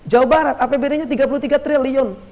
jawa barat apbd nya tiga puluh tiga triliun